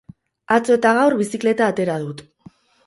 Atzo eta gaur bizikleta atera dut.